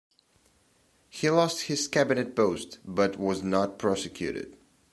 He lost his Cabinet post, but was not prosecuted.